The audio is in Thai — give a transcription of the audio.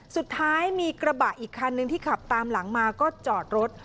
สุดท้ายมีกระบะอีกคันนึงที่ขับตามหลังมาก็จอดรถ